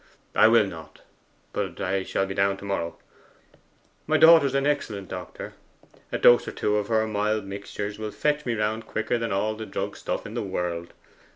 'I will not. But I shall be down to morrow. My daughter is an excellent doctor. A dose or two of her mild mixtures will fetch me round quicker than all the drug stuff in the world.